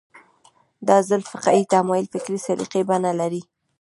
دا ځل فقهي تمایل فکري سلیقې بڼه لري